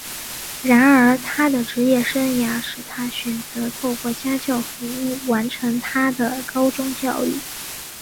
然而他的职业生涯使他选择透过家教服务完成他的高中教育。